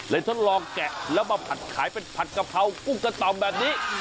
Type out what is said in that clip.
ทดลองแกะแล้วมาผัดขายเป็นผัดกะเพรากุ้งกระต่อมแบบนี้